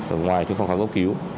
ở ngoài trong phòng khám giúp cứu